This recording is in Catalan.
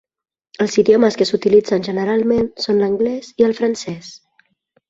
Els idiomes que s'utilitzen generalment són l'anglès i el francès.